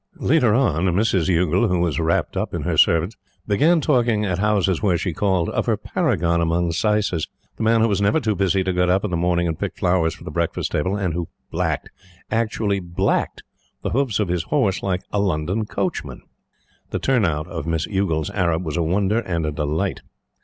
Later on, Mrs. Youghal, who was wrapped up in her servants, began talking at houses where she called of her paragon among saises the man who was never too busy to get up in the morning and pick flowers for the breakfast table, and who blacked actually BLACKED the hoofs of his horse like a London coachman! The turnout of Miss Youghal's Arab was a wonder and a delight.